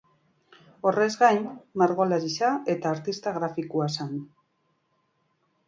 Horrez gain, margolaria eta artista grafikoa zen.